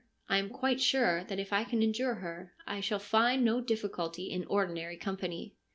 I am quite sure that if I can endure her, I shall find no difficulty in ordinary company.'